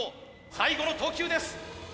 最後の投球です。